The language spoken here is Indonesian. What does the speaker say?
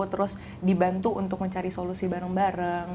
terus dibantu untuk mencari solusi bareng bareng